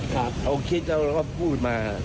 เขาคิดแล้วก็พูดมา